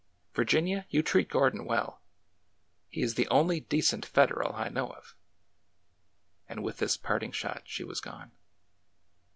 Virginia, you treat Gordon Vv^ell. He is the only decent Federal I know of." And with this parting shot she was gone.